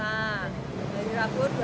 hari rabu rp dua belas lima ratus